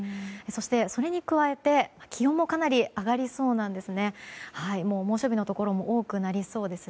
そしてそれに加えて、気温もかなり上がりそうなんです。